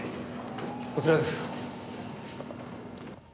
こちらです。